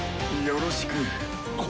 よろしく。